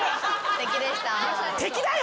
敵だよ！